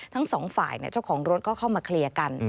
ทั้งสองฝ่ายเจ้าของรถก็เข้ามาเคลียร์กัน